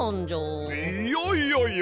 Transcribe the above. いやいやいや！